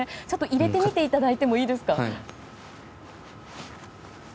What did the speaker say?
ちょっと入れてみていただいてもいいですか。